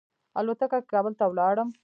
الوتکه کې کابل ته ولاړم.